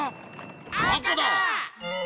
あかだ！